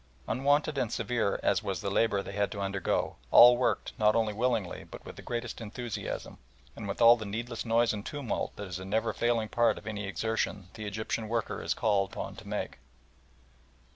Unwonted and severe as was the labour they had to undergo, all worked not only willingly but with the greatest enthusiasm, and with all the needless noise and tumult that is a never failing part of any exertion the Egyptian worker is called upon to make.